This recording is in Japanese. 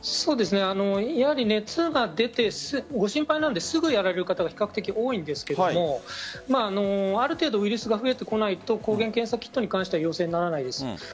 熱が出て心配なのですぐやられる方が多いんですがある程度ウイルスが増えてこないと抗原検査キットに関しては陽性にならないです。